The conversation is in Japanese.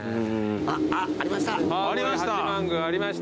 あっありました。